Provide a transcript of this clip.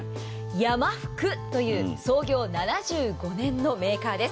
山福という創業５０年のメーカーです。